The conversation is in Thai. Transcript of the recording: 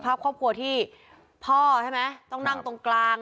ครอบครัวที่พ่อใช่ไหมต้องนั่งตรงกลาง